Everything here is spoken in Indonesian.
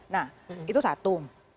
nah itu satu